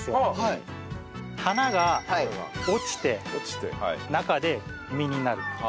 花が落ちて中で実になる。